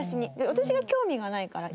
私が興味がないから。